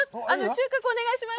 収穫お願いします。